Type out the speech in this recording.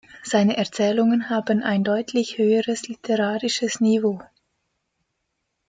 Seine Erzählungen haben ein deutlich höheres literarisches Niveau.